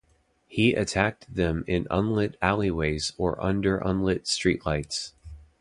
He attacked them in unlit alleyways or under unlit streetlights.